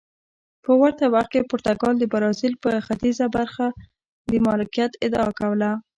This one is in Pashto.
په ورته وخت کې پرتګال د برازیل پر ختیځه برخه د مالکیت ادعا کوله.